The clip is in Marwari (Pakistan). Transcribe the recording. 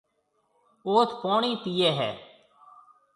اوٿ پوڻِي پِئي هيَ۔